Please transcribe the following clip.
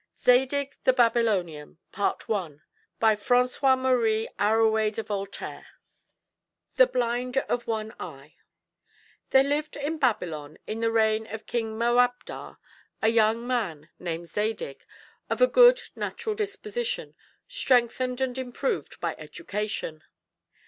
ZADIG THE BABYLONIAN BY FRANCOIS MARIE AROUET DE VOLTAIRE THE BLIND OF ONE EYE There lived at Babylon, in the reign of King Moabdar, a young man named Zadig, of a good natural disposition, strengthened and improved by education.